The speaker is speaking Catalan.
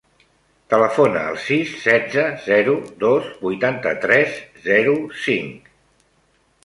Telefona al sis, setze, zero, dos, vuitanta-tres, zero, cinc.